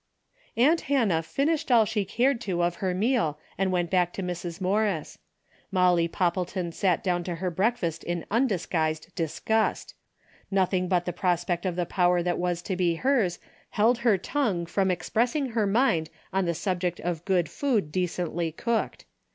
Aunt Hannah finished all she cared to of her meal and went back to Mrs. Morris. Molly Poppleton sat down to her breakfast in undisguised disgust. Nothing but the pros pect of the power that was to be hers held her tongue from expressing her mind on the sub ject of good food decently cooked.